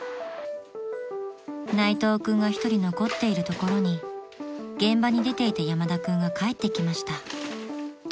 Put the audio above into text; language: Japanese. ［内藤君が一人残っているところに現場に出ていた山田君が帰ってきました］